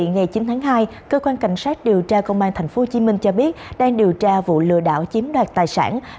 ngày chín tháng hai cơ quan cảnh sát điều tra công an tp hcm cho biết đang điều tra vụ lừa đảo chiếm đoạt tài sản